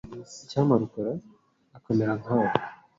Icyampa Rukara akamera nkawe.